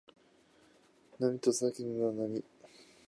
海に行くとみれるのは波